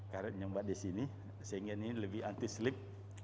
karena yang mbak desi ini sehingga ini lebih anti slip